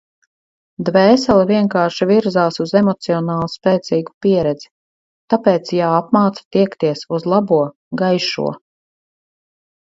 Dvēsele vienkārši virzās uz emocionāli spēcīgu pieredzi... Tāpēc jāapmāca tiekties uz labo, gaišo.